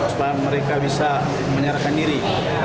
supaya mereka bisa menyerahkan diri